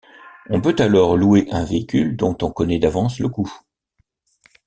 On peut alors louer un véhicule dont on connaît d’avance le coût.